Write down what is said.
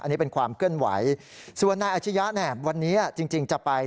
อันนี้เป็นความเกิ้ลไหวส่วนนายอาชญาเนี่ยวันนี้จริงจริงจะไปที่